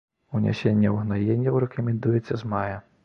Унясенне угнаенняў рэкамендуецца з мая.